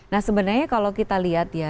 nah sebenarnya kalau kita lihat ya